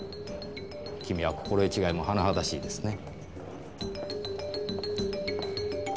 君は心得違いも甚だしいですね。